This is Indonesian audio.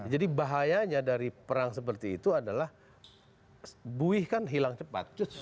jadi bahayanya dari perang seperti itu adalah buih kan hilang cepat